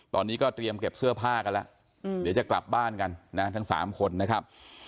ตอนนี้ก็เตรียมเก็บเสื้อผ้ากันแล้วเดี๋ยวจะกลับบ้านกันนะทั้ง๓คนนะครับ